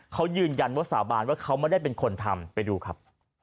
เขายืนยันว่าสาบานว่าเขาไม่ได้เป็นคนทำไปดูครับ